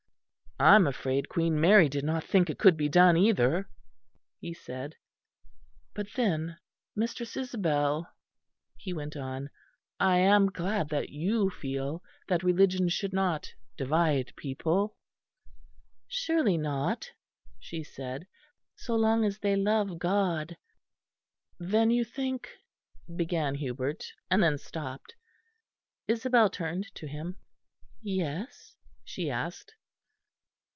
"I am afraid Queen Mary did not think it could be done, either," he said. "But then, Mistress Isabel," he went on, "I am glad that you feel that religion should not divide people." "Surely not," she said, "so long as they love God." "Then you think " began Hubert, and then stopped. Isabel turned to him. "Yes?" she asked.